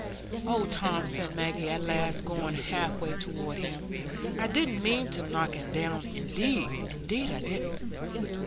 "Oh, Tom," said Maggie, at last, going half way toward him, "I didn't mean to knock it down, indeed, indeed I didn't."